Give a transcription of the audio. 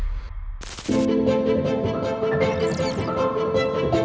ดิสรัปชั่นใหม่เราจะไปกีดกันเราจะไปหาว่าพระท่านเนี่ย